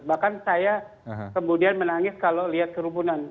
bahkan saya kemudian menangis kalau lihat kerumunan